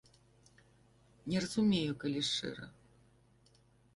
Не разумею, калі шчыра.